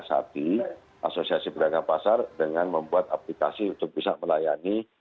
ati asosiasi pedagang pasar dengan membuat aplikasi untuk bisa melayani